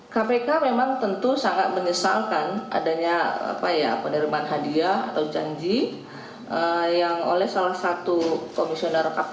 kpk memang tentu sangat menyesalkan adanya penerimaan hadiah atau janji yang oleh salah satu komisioner kpk